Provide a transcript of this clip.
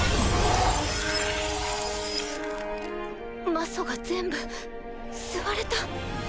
魔素が全部吸われた？